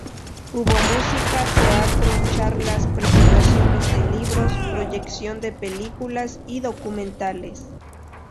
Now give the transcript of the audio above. Hubo música, teatro, charlas, presentaciones de libros, proyección de películas y documentales.